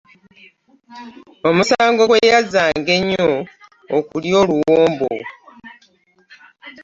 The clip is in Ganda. Omusango gwe yazza nga nnyo okulya oluwombo.